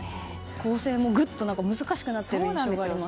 構成も、ぐっと難しくなってる印象があります。